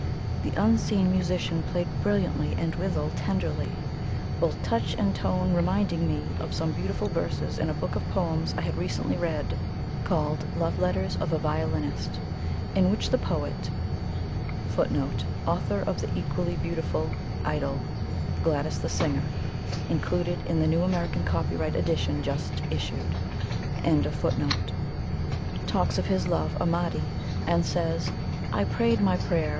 The unseen musician played brilliantly and withal tenderly, both touch and tone reminding me of some beautiful verses in a book of poems I had recently read, called "Love Letters of a Violinist," in which the poet [FOOTNOTE: Author of the equally beautiful idyl, "Gladys the Singer," included in the new American copyright edition just issued.] talks of his "loved Amati," and says: "I prayed my prayer.